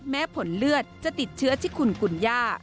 แม้ผลเลือดจะติดเชื้อที่คุณกุญย่า